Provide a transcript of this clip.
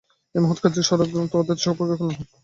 এই মহৎ কার্যের সহায়ক যাঁরা, তাদের সর্বপ্রকার কল্যাণ হোক।